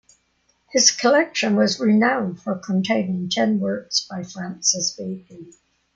His collection was renowned for containing ten works by Francis Bacon.